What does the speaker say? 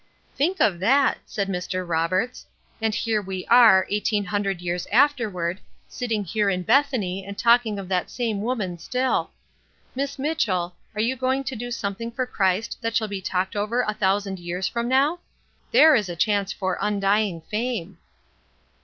'" "Think of that!" said Mr. Roberts. "And here are we, eighteen hundred years afterward, sitting here in Bethany and talking of that same woman still! Miss Mitchell, are you going to do something for Christ that shall be talked over a thousand years from now? There is a chance for undying fame."